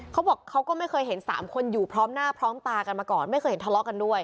เขาบอกเขาก็ไม่เคยเห็นสามคนอยู่พร้อมหน้าพร้อมตากันมาก่อนไม่เคยเห็นทะเลาะกันด้วย